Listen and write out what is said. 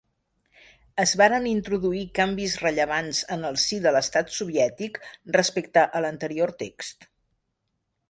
Es varen introduir canvis rellevants en el si de l'Estat Soviètic, respecte a l'anterior text.